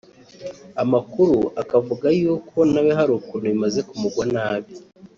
Amakuru akavuga yuko nawe hari ukuntu bimaze kumugwa nabi